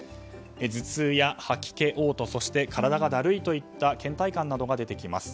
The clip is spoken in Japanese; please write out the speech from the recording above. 頭痛や吐き気、嘔吐体がだるいといった倦怠感などが出てきます。